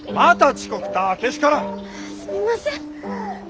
すみません。